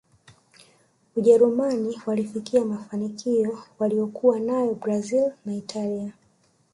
ujerumani walifikia mafanikio waliyokuwa nayo brazil na italia